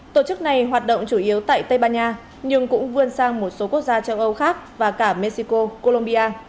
tổ chức này hoạt động chủ yếu tại tây ban nha nhưng cũng vươn sang một số quốc gia châu âu khác và cả mexico colombia